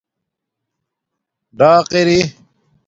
ڈاق اری